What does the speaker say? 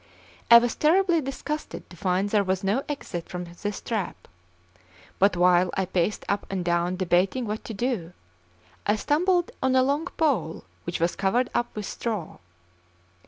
I was terribly disgusted to find there was no exit from this trap; but while I paced up and down debating what to do, I stumbled on a long pole which was covered up with straw.